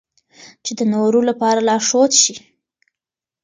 چې د نورو لپاره لارښود شي.